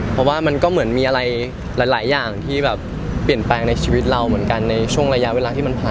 เพราะว่ามันก็เหมือนมีอะไรหลายอย่างที่แบบเปลี่ยนแปลงในชีวิตเราเหมือนกันในช่วงระยะเวลาที่มันผ่าน